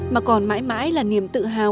mà còn mãi mãi là niềm tự hào